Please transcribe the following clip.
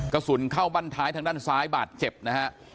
กระสุนเข้าบ้านท้ายทางด้านซ้ายบาดเจ็บนะฮะ